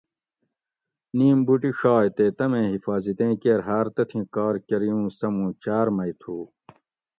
نیم بوٹی ݭائ تے تمیں حفاظِتیں کیر ہاٞر تتھیں کار کٞری اُوں سٞہ مُوں چاٞر مئ تھُو